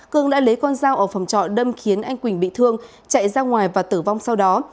cương đã lấy con dao ở phòng trọ đâm khiến anh quỳnh bị thương chạy ra ngoài và tử vong sau đó